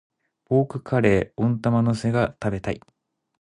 ポークカレー、温玉乗せが食べたい。